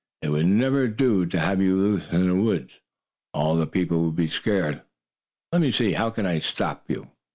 It would never do to have you loose in the woods; all the people would be scared. Let me see, how can I stop you?"